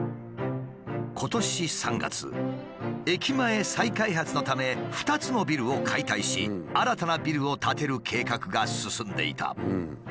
今年３月駅前再開発のため２つのビルを解体し新たなビルを建てる計画が進んでいた。